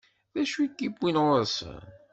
D acu i k-iwwin ɣur-sen?